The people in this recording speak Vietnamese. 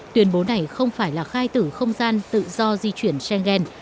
tuyên bố này không phải là khai tử không gian tự do di chuyển schengen